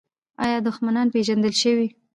آیا دښمنان پیژندل شوي؟